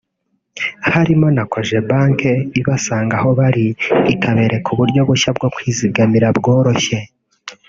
harimo na Cogebanque ibasanga aho bari ikabereka uburyo bushya bwo kwizigamira bworoshye